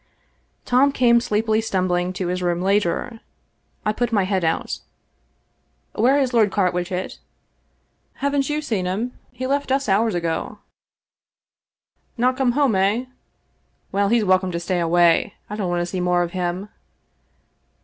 Tom came sleepily stumbling to his room later. I put my head out. " Where is Lord Car witchet?" " Haven't you seen him ? He left us hours ago. Not 283 English Mystery Stories come home, eh ? Well, h^'s welcome to stay away. I don't want to see more of him."